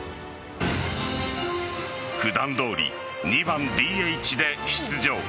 普段どおり２番・ＤＨで出場。